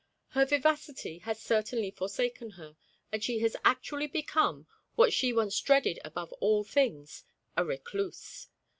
Her vivacity has certainly forsaken her; and she has actually become, what she once dreaded above all things, a recluse.